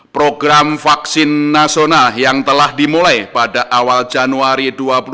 program vaksin nasional yang telah dimulai pada awal januari dua ribu dua puluh